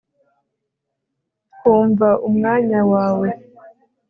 Twumva umwanya wawe